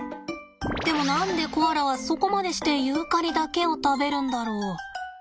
でも何でコアラはそこまでしてユーカリだけを食べるんだろ？